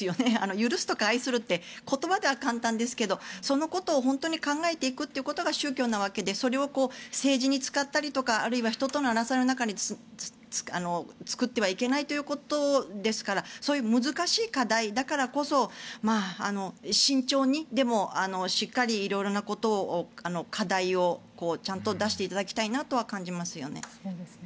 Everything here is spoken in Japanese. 許すとか愛するって言葉では簡単ですけどそのことを本当に考えていくことが宗教なわけでそれを政治に使ったりあるいは人との争いの中に作ってはいけないということですからそういう難しい課題だからこそ慎重にでもしっかりいろいろな課題をちゃんと出していただきたいと感じますよね。